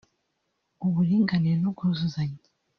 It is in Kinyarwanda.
uburinganire n’ubwuzuzanye